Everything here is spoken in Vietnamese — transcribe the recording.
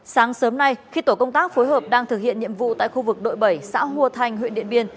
sáng sớm nay khi tổ công tác phối hợp đang thực hiện nhiệm vụ tại khu vực đội bảy xã hua thanh huyện điện biên